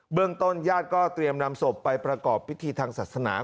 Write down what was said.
เรื่องต้นญาติก็เตรียมนำศพไปประกอบพิธีทางศาสนา